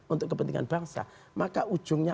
untuk kepentingan bangsa maka ujungnya